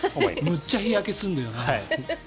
むっちゃ日焼けするんだよな。